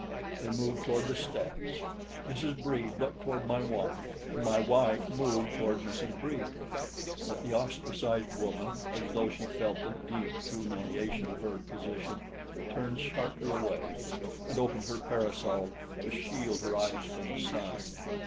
They moved toward the steps. Mrs. Brede looked toward my wife, and my wife moved toward Mrs. Brede. But the ostracized woman, as though she felt the deep humiliation of her position, turned sharply away, and opened her parasol to shield her eyes from the sun.